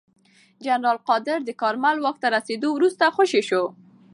جنرال قادر د کارمل واک ته رسېدو وروسته خوشې شو.